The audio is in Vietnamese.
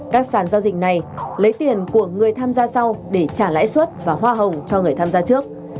các sản giao dịch này lấy tiền của người tham gia sau để trả lãi suất và hoa hồng cho người tham gia trước